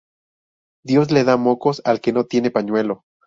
Dios le da mocos al que no tiene pañuelo